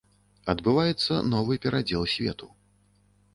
Адбываецца новы перадзел свету.